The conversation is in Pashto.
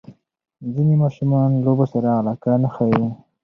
ځینې ماشومان لوبو سره علاقه نه ښیي.